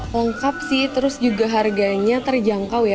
lengkap sih terus juga harganya terjangkau ya